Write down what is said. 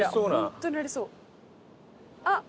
ホントにありそう。